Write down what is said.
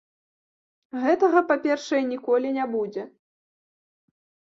Гэтага, па-першае, ніколі не будзе.